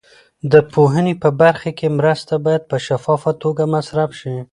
د پوهنې په برخه کې مرستې باید په شفافه توګه مصرف شي.